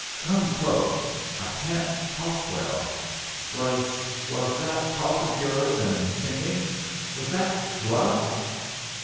"Come close. I can't talk well. Was was that talk of yours, and singing was that bluff?"